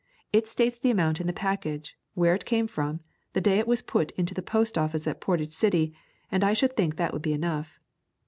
"It states the amount in the package, where it came from, the day it was put into the office at Portage City, and I should think that would be enough."